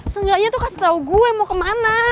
seenggaknya tuh kasih tau gue mau kemana